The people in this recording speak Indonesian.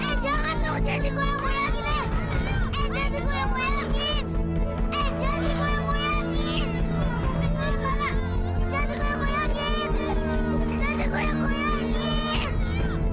eh jangan digoyang goyangin